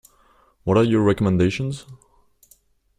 What are your recommendations?